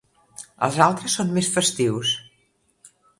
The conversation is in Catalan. Els altres són més festius.